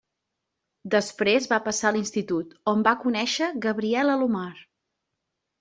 Després va passar a l'Institut, on va conèixer Gabriel Alomar.